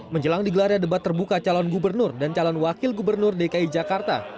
menjelang digelarnya debat terbuka calon gubernur dan calon wakil gubernur dki jakarta